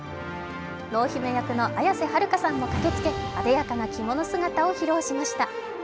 濃姫役の綾瀬はるかさんも駆けつけあでやかな着物姿を披露しました。